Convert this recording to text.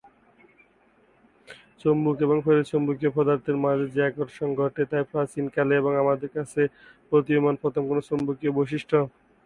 চুম্বক এবং ফেরোচৌম্বকীয় পদার্থের মাঝে যে আকর্ষণ ঘটে তাই প্রাচীন কালে এবং আমাদের কাছে প্রতীয়মান প্রথম কোনো চৌম্বকীয় বৈশিষ্ট্য।